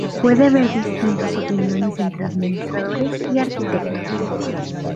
Puede haber distintas opiniones entre administradores y arquitectos.